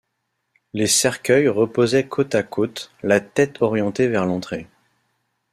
Les cercueils reposaient côte à côte, la tête orientée vers l'entrée.